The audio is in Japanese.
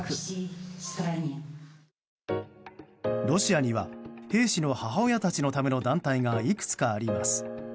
ロシアには兵士の母親たちのための団体がいくつかあります。